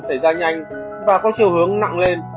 phản ứng thực phẩm xảy ra nhanh và có chiều hướng nặng lên